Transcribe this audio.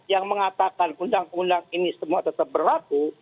yang mengatakan undang undang ini semua tetap berlaku